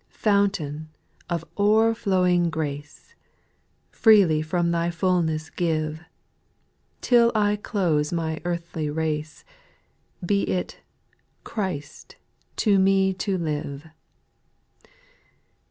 3. Fountain of o'er flowing grace, Freely from Thy fullness give ; Till I close my earthly race. Be it " Christ, to me to live."